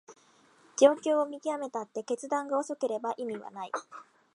状況を見極めたって決断が遅ければ意味はない